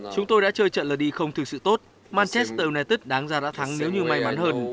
chúng tôi đã chơi trận lượt đi không thực sự tốt manchester united đáng ra đã thắng nếu như may mắn hơn